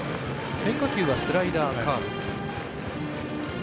変化球はスライダー、カーブ。